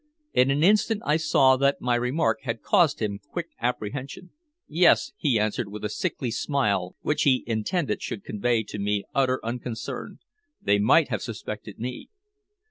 In an instant I saw that my remark had caused him quick apprehension. "Yes," he answered with a sickly smile which he intended should convey to me utter unconcern. "They might have suspected me."